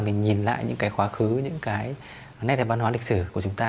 mình nhìn lại những cái khóa khứ những cái nét đẹp văn hóa lịch sử của chúng ta